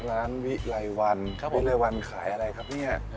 ร้านวิไลวันครับผมวิไลวันขายอะไรครับเนี่ย